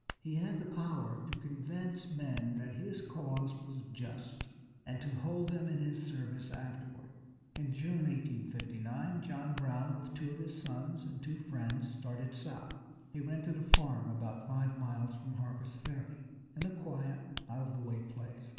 He had the power to convince men that his cause was just, and to hold them in his service afterward. In June, 1859, John Brown, with two of his sons, and two friends, started south. He rented a farm about five miles from Harper's Ferry, in a quiet, out of the way place.